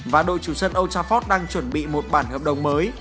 và đội chủ sân old trafford đang chuẩn bị một bản hợp đồng mới